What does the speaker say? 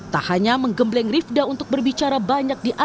tak hanya menggembleng rifda untuk berbicara banyak di atas